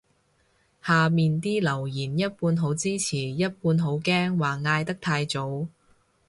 下面啲留言一半好支持一半好驚話嗌得太早